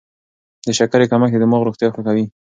د شکرې کمښت د دماغ روغتیا ښه کوي.